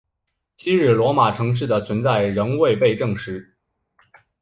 昔日罗马城市的存在仍未被证实。